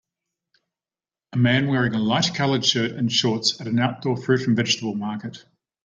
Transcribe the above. A man wearing a light colored shirt and shorts at an outdoor fruit and vegetable market.